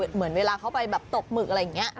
เหมือนเวลาเขาไปแบบตกหมึกอะไรอย่างนี้